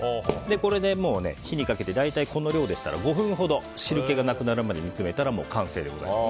これで火にかけてこの量でしたら５分ほど汁気がなくなるまで煮詰めたら完成でございます。